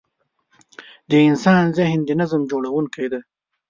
د انسان ذهن د نظم جوړوونکی دی.